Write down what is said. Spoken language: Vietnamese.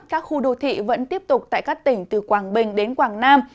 các khu đô thị vẫn tiếp tục tại các tỉnh từ quảng bình đến quảng nam